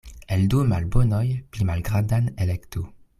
El du malbonoj pli malgrandan elektu.